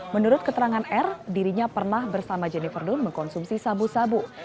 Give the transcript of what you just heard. menurut keterangan r dirinya pernah bersama jennifer done mengkonsumsi sabu sabu